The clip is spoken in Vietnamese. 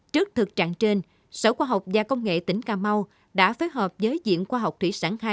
trước thực trạng trên sở khoa học và công nghệ tỉnh cà mau đã phối hợp với diện khoa học thủy sản hai